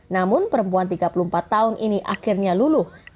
namun perempuan tiga puluh empat tahun ini akhirnya luluh